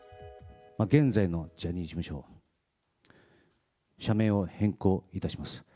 現在のジャニーズ事務所、社名を変更いたします。